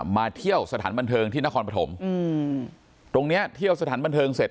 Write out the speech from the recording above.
มาเที่ยวสถานบันเทิงที่นครปฐมอืมตรงเนี้ยเที่ยวสถานบันเทิงเสร็จ